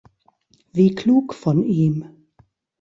Wie klug von ihm!